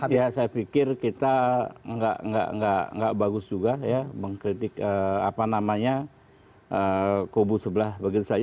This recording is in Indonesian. ya saya pikir kita nggak bagus juga ya mengkritik apa namanya kubu sebelah begitu saja